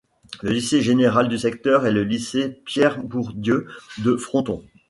Le lycée général du secteur est le lycée Pierre Bourdieu de Fronton.